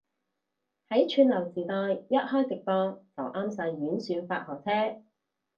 喺串流時代一開直播就啱晒演算法合尺